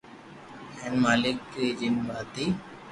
ھي مالڪ ماري جن پھاتي